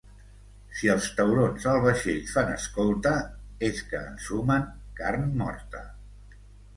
Si els taurons al vaixell fan escolta, és que ensumen carn morta.